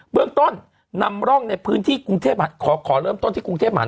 เรื่องต้นนำร่องในพื้นที่กรุงเทพขอเริ่มต้นที่กรุงเทพมหานคร